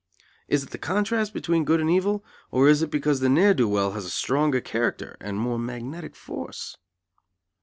Is it the contrast between Good and Evil, or is it because the ne'er do well has a stronger character and more magnetic force?